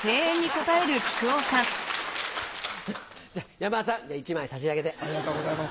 山田さん、じゃあ１枚差し上ありがとうございます。